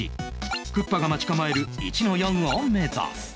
クッパが待ち構える １−４ を目指す